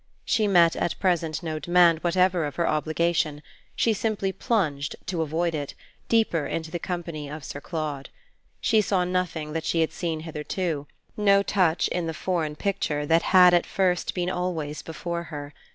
She met at present no demand whatever of her obligation; she simply plunged, to avoid it, deeper into the company of Sir Claude. She saw nothing that she had seen hitherto no touch in the foreign picture that had at first been always before her.